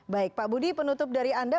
baik pak budi penutup dari anda